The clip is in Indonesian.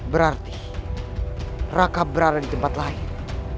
berarti raka berada di tempat lain